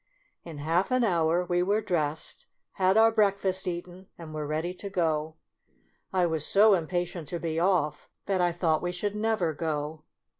In half an hour we were dressed, had our breakfast eaten, and w T ere ready to go. I was so impatient to COUNTRY DOLL. 29 be off, that I thought that we should never go.